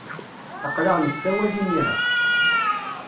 Aql-aɣ nessawal imir-a.